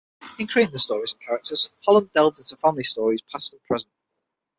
In creating the stories and characters, Holland delved into family stories, past and present.